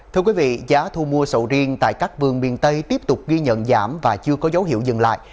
thưa quý vị giá thu mua sầu riêng tại các vườn miền tây tiếp tục ghi nhận giảm và chưa có dấu hiệu dừng lại